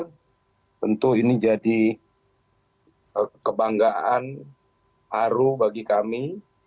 tentu ini jadi kebanggaan haru bagi kami